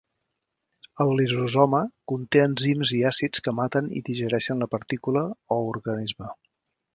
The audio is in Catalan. El lisosoma conté enzims i àcids que maten i digereixen la partícula o organisme.